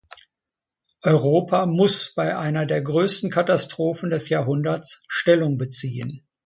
Europa muss bei einer der größten Katastrophen des Jahrhunderts Stellung beziehen.